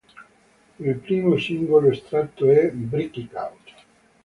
Il primo singolo estratto è "Break It Out".